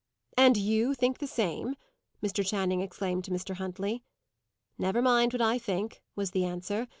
"And you think the same!" Mr. Channing exclaimed to Mr. Huntley. "Never mind what I think," was the answer.